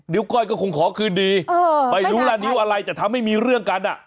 ก้อยก็คงขอคืนดีไม่รู้ล่ะนิ้วอะไรแต่ทำให้มีเรื่องกันอ่ะ